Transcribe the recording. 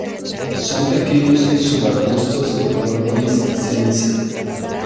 Son pequeños subarbustos de color gris ceniza.